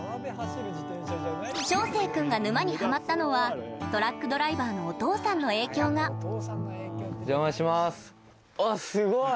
翔星君が沼にハマったのはトラックドライバーのお父さんの影響がおじゃまします。